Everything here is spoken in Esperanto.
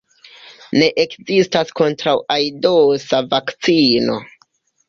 Ne ekzistas kontraŭ-aidosa vakcino.